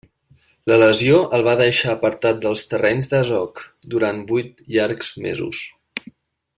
La lesió el va deixar apartat dels terrenys de joc durant vuit llargs mesos.